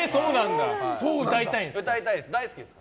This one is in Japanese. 歌いたいんですよ